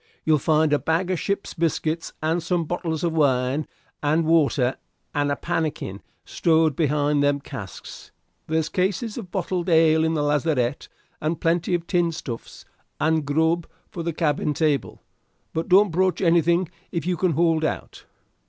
You'll find a bag of ship's biscuit and some bottles of wine and water and a pannikin stowed behind them casks. There's cases of bottled ale in the lazarette, and plenty of tinned stuffs and grub for the cabin table. But don't broach anything if you can hold out."